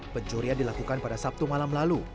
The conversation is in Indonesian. pencurian dilakukan pada sabtu malam lalu